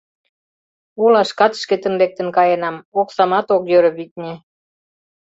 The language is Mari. — Олашкат шкетын лектын каенам, оксамат ок йӧрӧ, витне.